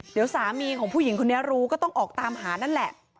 เดี๋ยวสามีของผู้หญิงคนนี้รู้ก็ต้องออกตามหานั่นแหละ